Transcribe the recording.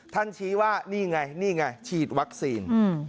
ชี้ว่านี่ไงนี่ไงฉีดวัคซีน